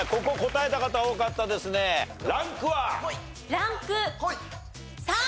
ランク３。